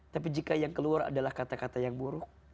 tapi jika yang keluar adalah kata kata yang buruk